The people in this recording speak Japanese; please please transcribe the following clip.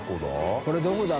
これはどこだ？